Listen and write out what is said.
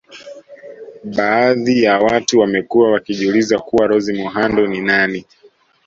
Baadhi ya watu wamekuwa wakijiuliza kuwa Rose muhando ni nani